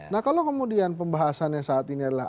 nah kalau kemudian pembahasannya saat ini adalah